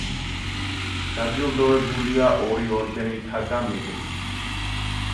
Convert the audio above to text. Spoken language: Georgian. დაჯილდოებულია ორი ორდენითა და მედლით.